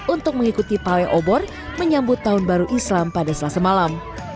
untuk mengikuti pawai obor menyambut tahun baru islam pada selasa malam